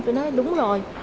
tôi nói đúng rồi